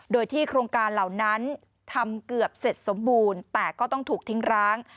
โดยที่โครงการเหล่านั้นทำเกือบเสร็จสมบูรณ์แต่ก็ต้องถูกทิ้งร้าง